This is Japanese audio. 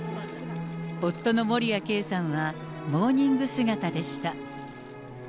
夫の守谷慧さんはモーニング姿でした。